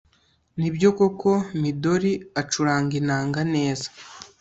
Nibyo koko Midori acuranga inanga neza